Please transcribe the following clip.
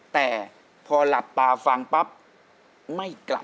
แต่พอหลับตาฟังปั๊บไม่กลับ